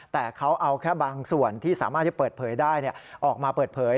แต่เขาเอาแค่บางส่วนที่สามารถจะเปิดเผยได้ออกมาเปิดเผย